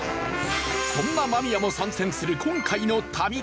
そんな間宮も参戦する今回の旅